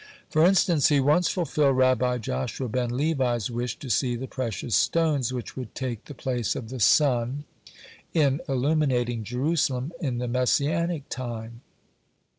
For instance, he once fulfilled Rabbi Joshua ben Levi's wish to see the precious stones which would take the place of the sun in illuminating Jerusalem in the Messianic time.